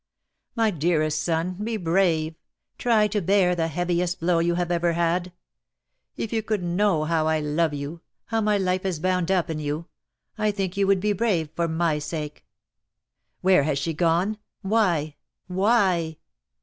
"My dearest son, be brave! Try to bear the heaviest blow you have ever had. If you could know how I love you, how my life is bound up in you, I think you would be brave for my sake." "Where has she gone? Why? Why?"